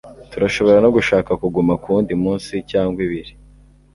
Turashobora no gushaka kuguma kuwundi munsi cyangwa ibiri.